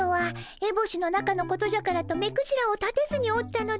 えぼしの中のことじゃからと目くじらを立てずにおったのだが。